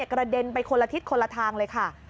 กระเด็นไปคนละทิศคนละทางเลยค่ะ